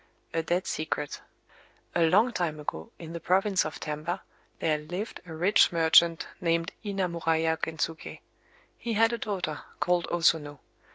A DEAD SECRET A long time ago, in the province of Tamba (1), there lived a rich merchant named Inamuraya Gensuké. He had a daughter called O Sono.